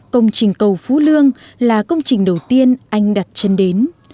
công trình cầu phú lương là công trình đầu tiên anh đặt chân đến